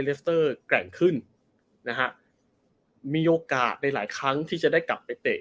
สเตอร์แกร่งขึ้นนะฮะมีโอกาสในหลายครั้งที่จะได้กลับไปเตะ